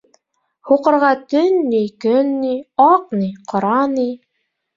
Һуҡырға төн ни, көн ни, аҡ ни, ҡара ни.